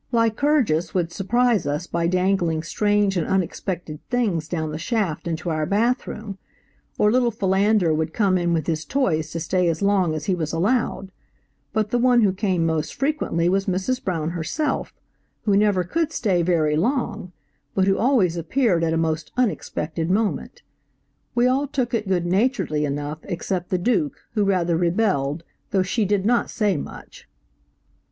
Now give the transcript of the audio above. Lycurgus would surprise us by dangling strange and unexpected things down the shaft into our bath room, or little Philander would come in with his toys to stay as long as he was allowed; but the one who came most frequently was Mrs. Brown herself, who never could stay very long, but who always appeared at a most unexpected moment. We all took it good naturedly enough except the Duke who rather rebelled, though she did not say much.